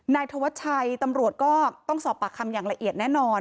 นายธวัชชัยตำรวจก็ต้องสอบปากคำอย่างละเอียดแน่นอน